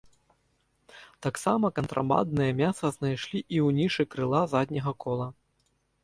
Таксама кантрабанднае мяса знайшлі і ў нішы крыла задняга кола.